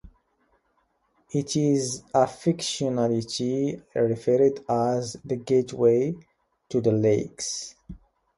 It is affectionately referred to as "The Gateway to The Lakes".